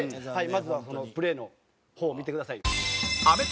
まずはそのプレーの方を見てください。